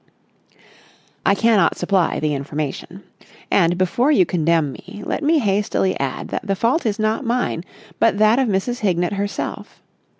I cannot supply the information. And, before you condemn me, let me hastily add that the fault is not mine but that of Mrs. Hignett herself.